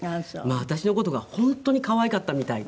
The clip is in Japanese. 私の事が本当に可愛かったみたいで。